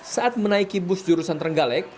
saat menaiki bus jurusan trenggalek